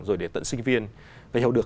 rồi để tận sinh viên để hiểu được